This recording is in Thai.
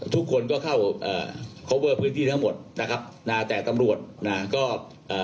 ทุกคนก็เข้าเอ่อคอเวอร์พื้นที่ทั้งหมดนะครับนะแต่ตำรวจน่ะก็เอ่อ